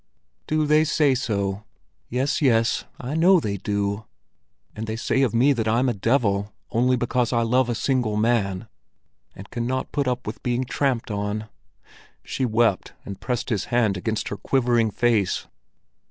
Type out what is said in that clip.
"Do they say so? Yes, yes, I know they do! And they say of me that I'm a devil—only because I love a single man—and cannot put up with being trampled on." She wept and pressed his hand against her quivering face.